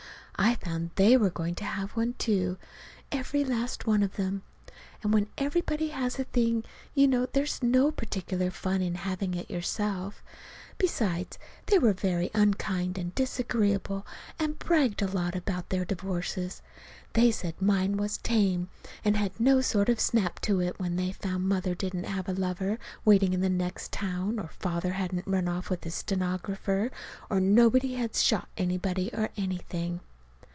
I found they were going to have one, too every last one of them. And when everybody has a thing, you know there's no particular fun in having it yourself. Besides, they were very unkind and disagreeable, and bragged a lot about their divorces. They said mine was tame, and had no sort of snap to it, when they found Mother didn't have a lover waiting in the next town, or Father hadn't run off with his stenographer, or nobody had shot anybody, or anything.